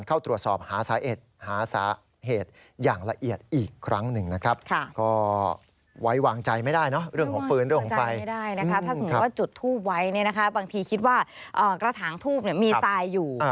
กระถางทูบมีทรายอยู่